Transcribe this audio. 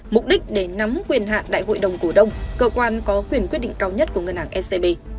mục đích để nắm quyền hạn đại hội đồng cổ đông cơ quan có quyền quyết định cao nhất của ngân hàng scb